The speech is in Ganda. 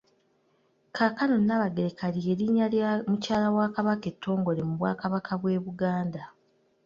Kaakano Nnaabagereka lye linnya lya Mukyala wa Kabaka ettongole mu Bwakabaka bw'e Buganda.